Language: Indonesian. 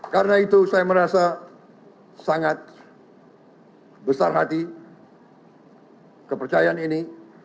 karena itu saya merasa sangat besar hati kepercayaan ini